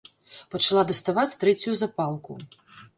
Пачала даставаць трэцюю запалку.